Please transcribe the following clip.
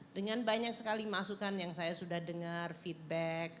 dengan banyak sekali masukan yang saya sudah dengar feedback